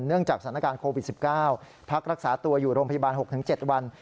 จากสถานการณ์โควิด๑๙พักรักษาตัวอยู่โรงพยาบาล๖๗วัน